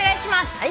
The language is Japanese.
はい。